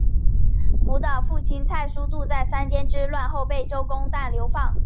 胡的父亲蔡叔度在三监之乱后被周公旦流放。